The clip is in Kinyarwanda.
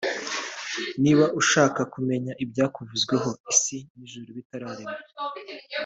Niba ushaka kumenya ibyakuvuzweho isi n'ijuru bitararemwa